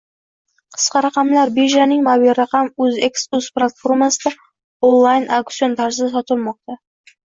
Qisqa raqamlar birjaning “Mobilraqam.uzex.uz” platformasida onlayn auksion tarzida sotilmoqda